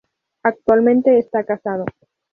Actualmente está casado.